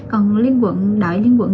còn liên quận đội liên quận